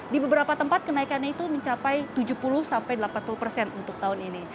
di beberapa tempat kenaikannya itu mencapai tujuh puluh sampai delapan puluh persen untuk tahun ini